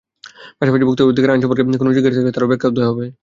পাশাপাশি ভোক্তা অধিকার আইন সম্পর্কে কোনো জিজ্ঞাসা থাকলে তার ব্যাখ্যাও দেওয়া হবে।